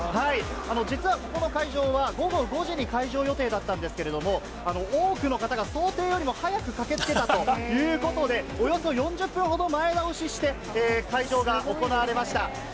実はここの会場は午後５時に開場予定だったんですけれども、多くの方が想定よりも早く駆けつけたということで、およそ４０分ほど前倒しして、開場が行われました。